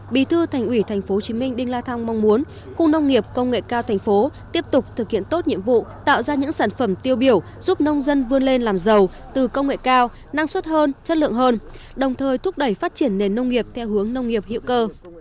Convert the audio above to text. bí thư thành ủy tp hcm đinh la thăng mong muốn khu nông nghiệp công nghệ cao thành phố tiếp tục thực hiện tốt nhiệm vụ tạo ra những sản phẩm tiêu biểu giúp nông dân vươn lên làm giàu từ công nghệ cao năng suất hơn chất lượng hơn đồng thời thúc đẩy phát triển nền nông nghiệp theo hướng nông nghiệp hữu cơ